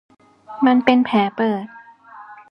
มันเป็นแผลเปิด